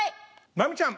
まみちゃん。